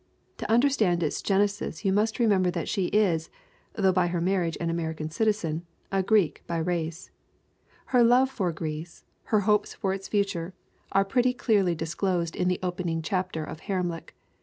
To understand its gen esis you must remember that she is, though by her marriage an American citizen, a Greek by race. Her love for Greece, her hopes for its future, are pretty 288 THE WOMEN WHO MAKE OUR NOVELS clearly disclosed in the opening chapter of Haremlik.